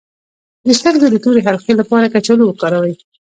د سترګو د تورې حلقې لپاره کچالو وکاروئ